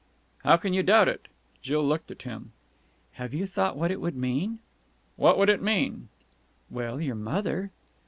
"How can you doubt it?" Jill looked at him. "Have you thought what it would mean?" "What it would mean?" "Well, your mother...."